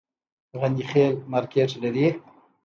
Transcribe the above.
غني خیل مارکیټ لري؟